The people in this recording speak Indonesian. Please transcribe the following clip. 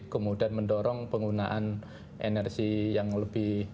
kemudian mendorong penggunaan energi yang lebih